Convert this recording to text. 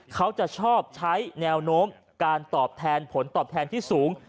เขาจะชอบใช้แนวโน้มการตอบแทนผลตอบแทนที่สูง